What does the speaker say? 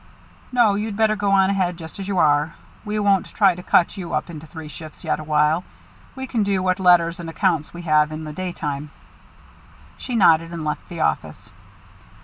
"No, you'd better go ahead just as you are. We won't try to cut you up into three shifts yet awhile. We can do what letters and accounts we have in the daytime." She nodded and left the office.